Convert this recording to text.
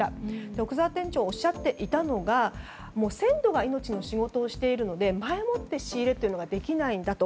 奥澤店長がおっしゃっていたのが鮮度が命の仕事をしているので前もって仕入れができないんだと。